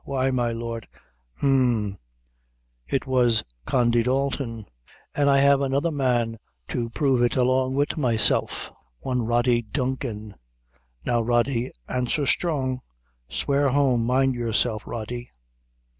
Why, my lord hem it was Condy Dalton, an' I have another man to prove it along wid myself one Rody Duncan; now Rody answer strong; swear home; mind yourself, Rody."